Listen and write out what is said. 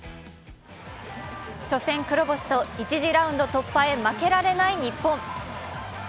初戦黒星と１次ラウンド突破へ負けられない日本。